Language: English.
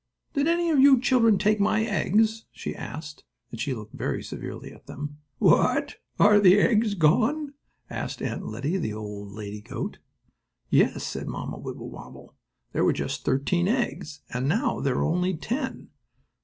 "Did any of you children take my eggs?" she asked, and she looked very severely at them. "What? Are the eggs gone?" asked Aunt Lettie, the old lady goat. "Yes," said Mamma Wibblewobble, "there were just thirteen eggs, and now there are only ten.